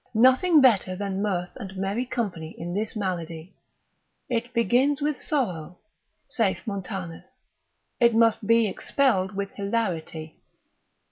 Nothing better than mirth and merry company in this malady. It begins with sorrow (saith Montanus), it must be expelled with hilarity.